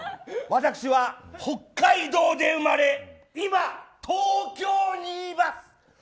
私は北海道で生まれ今、東京にいます。